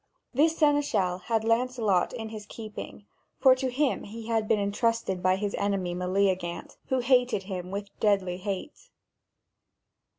This seneschal had Lancelot in his keeping, for to him he had been entrusted by his enemy Meleagant, who hated him with deadly hate.